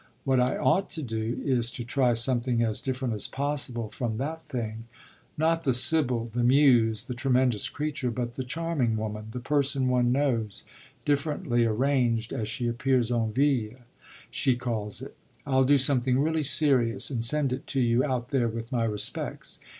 "What I ought to do is to try something as different as possible from that thing; not the sibyl, the muse, the tremendous creature, but the charming woman, the person one knows, differently arranged as she appears en ville, she calls it. I'll do something really serious and send it to you out there with my respects.